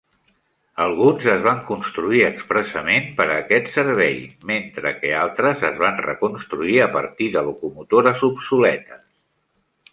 Alguns es van construir expressament per a aquest servei, mentre que altres es van reconstruir a partir de locomotores obsoletes.